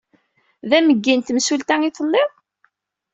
D ameggi n temsulta i telliḍ?